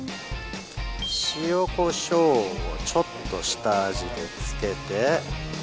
塩コショウをちょっと下味で付けて。